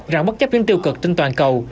rằng bất chấp những tiêu cực trên toàn cầu